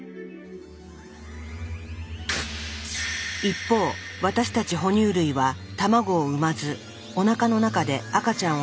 一方私たち哺乳類は卵を産まずおなかの中で赤ちゃんを育てて産む。